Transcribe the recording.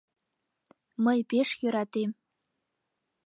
— Мый пеш йӧратем.